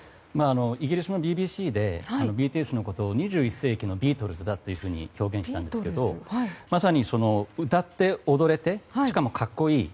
イギリスのＢＢＣでＢＴＳのことを２１世紀のビートルズだというふうに表現したんですけれどもまさに歌って踊れてしかも格好いい。